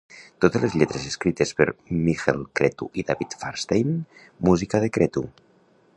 "Totes les lletres escrites per Michael Cretu i David Fairstein, música de Cretu.